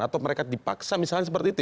atau mereka dipaksa misalnya seperti itu